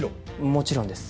もちろんです。